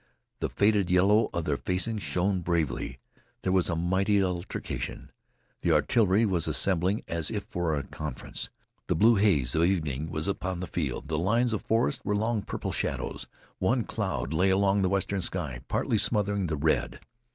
The faded yellow of their facings shone bravely. There was a mighty altercation. The artillery were assembling as if for a conference. The blue haze of evening was upon the field. The lines of forest were long purple shadows. One cloud lay along the western sky partly smothering the red.